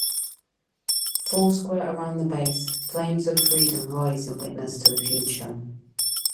Foursquare around the base, flames of freedom rise in witness to the future.